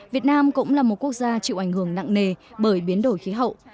việt nam cũng là một quốc gia chịu ảnh hưởng nặng nề bởi biến đổi khí hậu